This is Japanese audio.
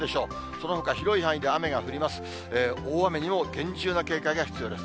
そのほか、広い範囲で雨が降ります。